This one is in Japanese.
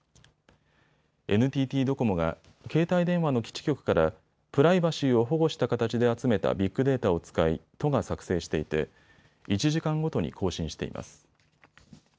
ＮＴＴドコモが携帯電話の基地局からプライバシーを保護した形で集めたビッグデータを使い都が作成していて１時間ごとに更新しています。